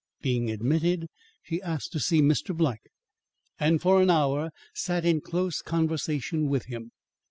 Being admitted, she asked to see Mr. Black, and for an hour sat in close conversation with him.